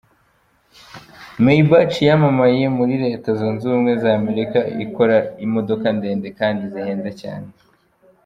Maybach yamamaye muri Leta Zunze za Amerika ikora imodoka ndende kandi zihenze cyane.